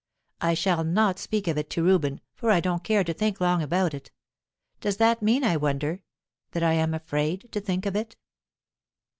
I shall not speak of it to Reuben, for I don't care to think long about it. Does that mean, I wonder, that I am afraid to think of it?